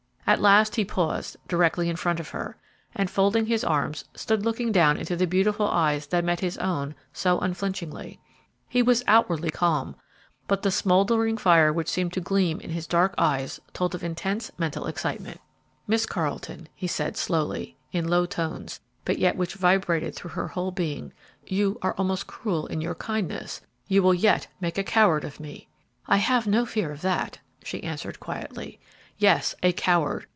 At last he paused, directly in front of her, and, folding his arms, stood looking down into the beautiful eyes that met his own so unflinchingly. He was outwardly calm, but the smouldering fire which seemed to gleam in his dark eyes told of intense mental excitement. "Miss Carleton," he said, slowly, in low tones, but yet which vibrated through her whole being, "you are almost cruel in your kindness; you will yet make a coward of me!" "I have no fear of that," she answered, quietly. "Yes, a coward!